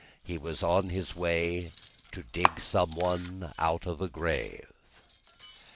He was on his way to dig some one out of a grave.